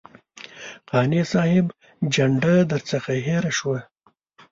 قانع صاحب جنډه درڅخه هېره شوه.